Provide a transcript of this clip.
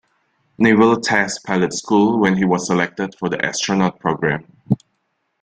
Naval Test Pilot School when he was selected for the astronaut program.